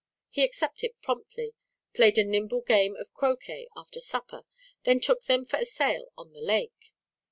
He accepted promptly, played a nimble game of croquet after supper, then took them for a sail on the lake.